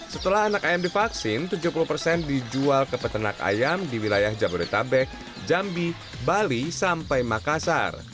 setelah anak ayam divaksin tujuh puluh persen dijual ke peternak ayam di wilayah jabodetabek jambi bali sampai makassar